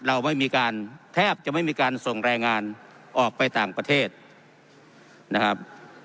เราไม่มีการแทบจะไม่มีการส่งแรงงานออกไปต่างประเทศนะครับ